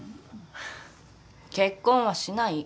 結婚はしない。